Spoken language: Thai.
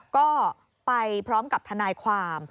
ก็ไปพร้อมกับทนายความ